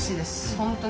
本当に。